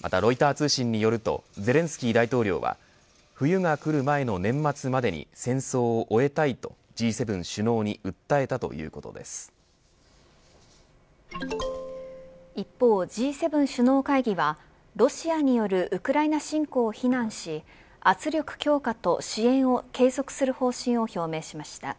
またロイター通信によるとゼレンスキー大統領は冬が来る前の年末までに戦争を終えたいとＧ７首脳に一方、Ｇ７首脳会議はロシアによるウクライナ侵攻を非難し圧力強化と支援を継続する方針を表明しました。